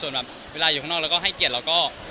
ส่วนแบบเวลาอยู่ข้างนอกก็ให้เกลียดเราก็